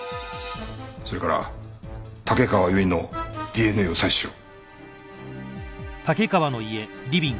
それから竹川由衣のＤＮＡを採取しろ。